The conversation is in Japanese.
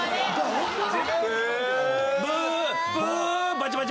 「バチバチ」